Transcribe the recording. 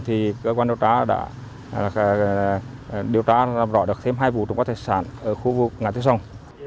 thì cơ quan điều tra đã làm rõ được thêm hai vụ trụng có tài sản ở khu vực ngã tư sông